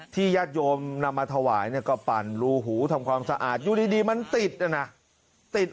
ญาติโยมนำมาถวายเนี่ยก็ปั่นรูหูทำความสะอาดอยู่ดีมันติดนะนะ